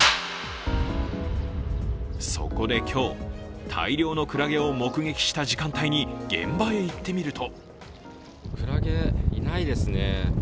そこで今日、大量のクラゲを目撃した時間帯に現場へ行ってみるとクラゲ、ないですね。